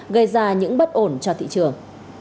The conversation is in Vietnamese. gây ra những bất ổn cho thị trường